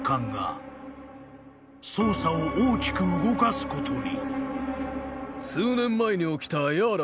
［捜査を大きく動かすことに］